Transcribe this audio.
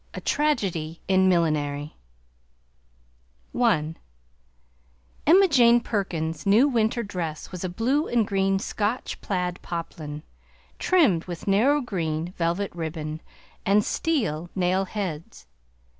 A TRAGEDY IN MILLINERY I Emma Jane Perkins's new winter dress was a blue and green Scotch plaid poplin, trimmed with narrow green velvet ribbon and steel nail heads.